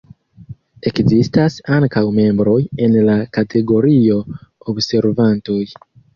Ekzistas ankaŭ membroj en la kategorio 'observantoj'.